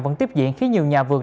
vẫn tiếp diễn khi nhiều nhà vườn